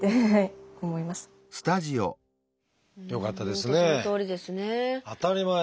本当そのとおりですね。